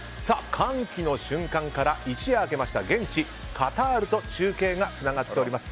歓喜の瞬間から一夜明けました現地カタールと中継がつながっています。